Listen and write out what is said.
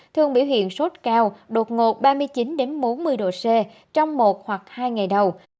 thường biểu hiện sốt cao đột ngột ba mươi chín bốn mươi độ c trong một hoặc hai ngày đầu